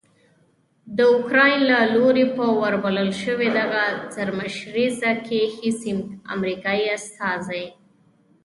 داوکرایین له لوري په وربلل شوې دغه سرمشریزه کې هیڅ امریکایي استازی